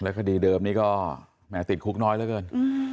วันนี้ก็แม้ติดคุกน้อยแล้วเกิน